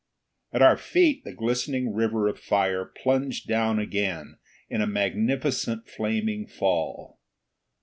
At our feet the glistening river of fire plunged down again in a magnificent flaming fall.